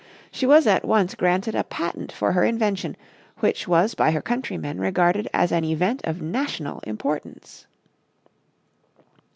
She was at once granted a patent for her invention, which was by her countrymen regarded as an event of national importance.